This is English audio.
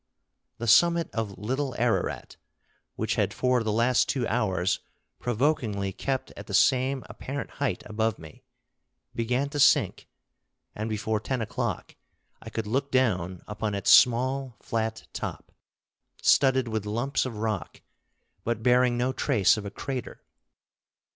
The summit of Little Ararat, which had for the last two hours provokingly kept at the same apparent height above me, began to sink, and before ten o'clock I could look down upon its small flat top, studded with lumps of rock, but bearing no trace of a crater.